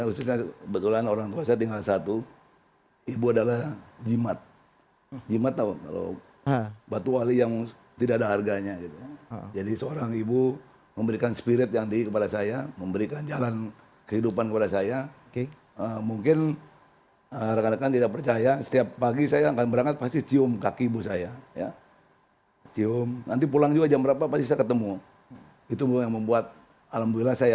khususnya kebetulan orang tua saya tinggal satu ibu adalah jimat jimat tau kalau batu wali yang tidak ada harganya gitu jadi seorang ibu memberikan spirit yang tinggi kepada saya memberikan jalan kehidupan kepada saya mungkin rekan rekan tidak percaya setiap pagi saya akan berangkat pasti cium kaki ibu saya ya cium nanti pulang juga jam berapa pasti saya ketemu itu yang membuat alhamdulillah sayang manusia dirasa saya